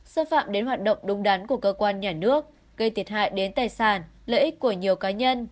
xâm phạm đến hoạt động đúng đắn của cơ quan nhà nước gây thiệt hại đến tài sản lợi ích của nhiều cá nhân